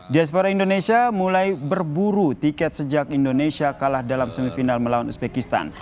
diaspora indonesia mulai berburu tiket sejak indonesia kalah dalam semifinal melawan uzbekistan